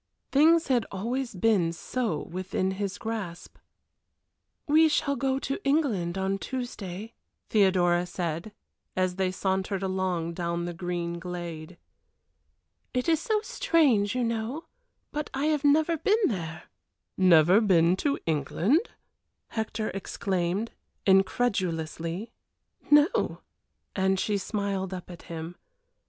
Things had always been so within his grasp. "We shall go to England on Tuesday," Theodora said, as they sauntered along down the green glade. "It is so strange, you know, but I have never been there." "Never been to England!" Hector exclaimed, incredulously. "No!" and she smiled up at him.